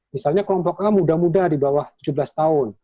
misalnya kelompok a muda muda di bawah tujuh belas tahun